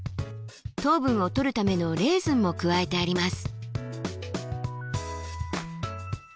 糖分をとるためのレーズンも加えてあります。